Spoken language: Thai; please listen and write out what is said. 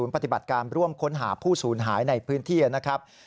ปฏิบัติการร่วมค้นหาผู้สูญหายในพื้นที่นะครับ